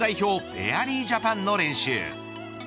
フェアリージャパンの練習。